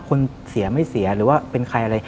คนเสียหรือเป็นใครอะไร